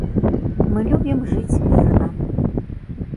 Мы любім жыць мірна.